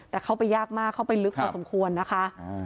แต่เข้าไปยากมากเข้าไปลึกพอสมควรนะคะ